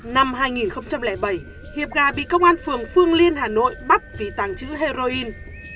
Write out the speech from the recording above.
năm hai nghìn bảy hiệp gà bị công an phường phương liên hà nội bắt vì tàng chữ heroin